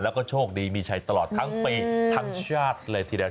แล้วก็โชคดีมีชัยตลอดทั้งปีทั้งชาติเลยทีเดียว